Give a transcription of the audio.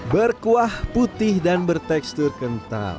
berkuah putih dan bertekstur kental